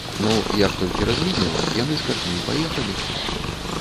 Ну, як толькі развіднела, яны з карчмы і паехалі.